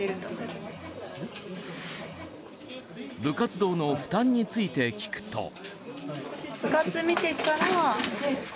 部活動の負担について聞くと。